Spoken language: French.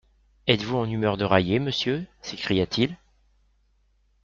Êtes-vous en humeur de railler, monsieur ? s'écria-t-il.